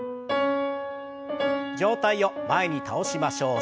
上体を前に倒しましょう。